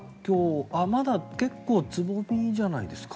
まだ結構つぼみじゃないですか？